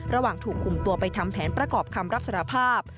ระหว่างถูกคุมตัวไปทำแผนประกอบคำรับสารภาพ